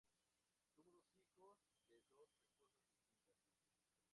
Tuvo dos hijos, de dos esposas distintas.